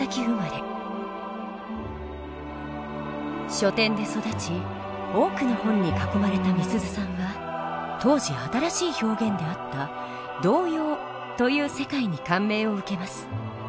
書店で育ち多くの本に囲まれたみすゞさんは当時新しい表現であった「童謡」という世界に感銘を受けます。